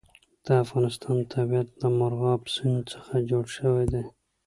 د افغانستان طبیعت له مورغاب سیند څخه جوړ شوی دی.